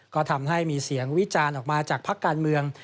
ก็ทำให้มีเสียงวิจารณ์ออกมาจากพักการเมือง